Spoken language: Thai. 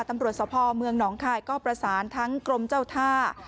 ตำรวจสภเมืองหนองคายก็ประสานทั้งกรมเจ้าท่า